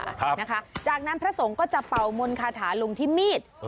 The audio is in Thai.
ครับนะคะจากนั้นพระสงฆ์ก็จะเป่ามนต์คาถาลงที่มีด